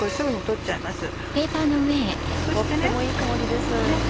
とってもいい香りです。